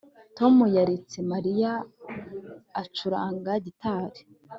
Tom yaretse Mariya acuranga gitari